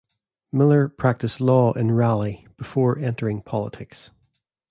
Miller practiced Law in Raleigh before entering politics.